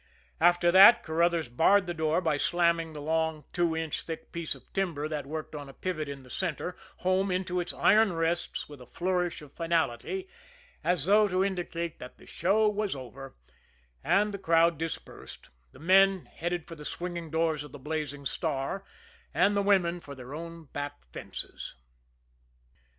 After that, Carruthers barred the door by slamming the long, two inch thick piece of timber, that worked on a pivot in the center, home into its iron rests with a flourish of finality, as though to indicate that the show was over and the crowd dispersed the men heading for the swinging doors of the Blazing Star; and the women for their own back fences.